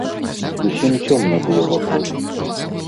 Зусім цёмна было вакол.